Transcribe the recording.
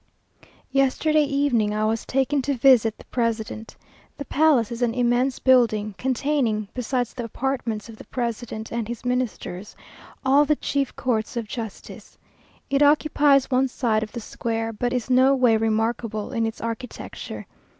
Yesterday evening I was taken to visit the President. The palace is an immense building, containing, besides the apartments of the President and his Ministers, all the chief courts of justice. It occupies one side of the square, but is no way remarkable in its architecture.